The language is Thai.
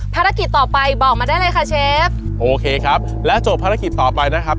ภารกิจต่อไปบอกมาได้เลยค่ะเชฟโอเคครับและจบภารกิจต่อไปนะครับ